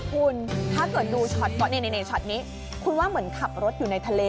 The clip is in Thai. คุณถ้าเกิดดูช็อตก็ในในในช็อตนี้คุณว่าเหมือนขับรถอยู่ในทะเล